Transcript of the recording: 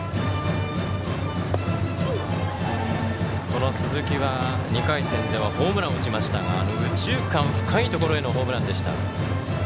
この鈴木は２回戦ではホームランを打ちましたが右中間、深いところへのホームランでした。